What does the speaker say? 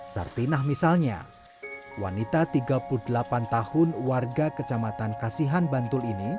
sartinah misalnya wanita tiga puluh delapan tahun warga kecamatan kasihan bantul ini